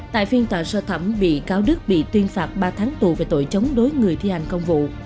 tại phiên tòa sơ thẩm bị cáo đức bị tuyên phạt ba tháng tù về tội chống đối người thi hành công vụ